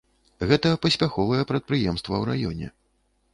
Гэта паспяховае прадпрыемства ў раёне.